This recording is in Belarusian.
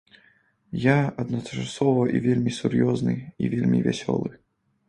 Я адначасова і вельмі сур'ёзны і вельмі вясёлы.